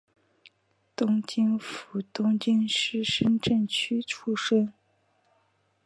东京府东京市深川区出身。